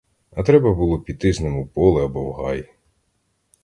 А треба було піти з ним у поле або в гай!